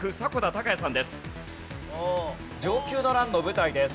承久の乱の舞台です。